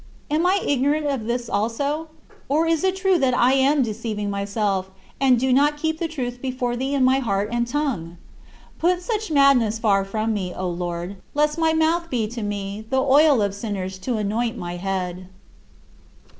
Am I ignorant of this also? Or is it still true that I am deceiving myself, and do not keep the truth before thee in my heart and tongue? Put such madness far from me, O Lord, lest my mouth be to me "the oil of sinners, to anoint my head."